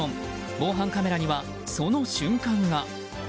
防犯カメラには、その瞬間が。